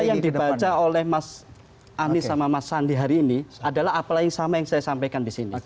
apa yang dibaca oleh mas anies sama mas andi hari ini adalah apalagi yang sama yang saya sampaikan disini